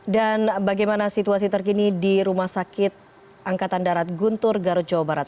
dan bagaimana situasi terkini di rumah sakit angkatan darat guntur garut jawa barat